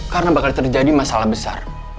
karena bakal terjadi masalah besar